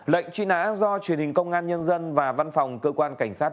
lệnh chuyên án do truyền hình công an nhân dân và văn phòng cơ quan cảnh sát